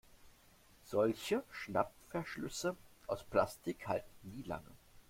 Solche Schnappverschlüsse aus Plastik halten nie lange.